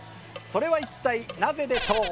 それは一体なぜでしょう？